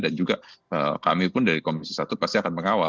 dan juga kami pun dari komisi satu pasti akan mengawal